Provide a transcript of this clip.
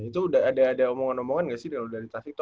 itu udah ada omongan omongan gak sih dari tavito